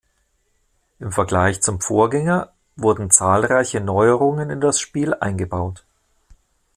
Im Vergleich zum Vorgänger wurden zahlreiche Neuerungen in das Spiel eingebaut.